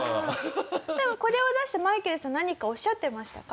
これを出してマイケルさん何かおっしゃってましたか？